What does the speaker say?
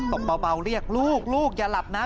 ตบเบาเรียกลูกอย่าหลับนะ